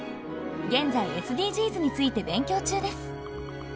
現在ＳＤＧｓについて勉強中です。